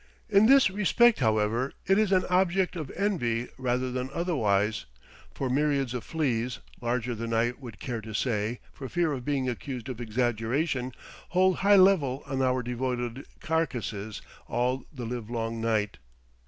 In this respect, however, it is an object of envy rather than otherwise, for myriads of fleas, larger than I would care to say, for fear of being accused of exaggeration, hold high revel on our devoted carcasses all the livelong night.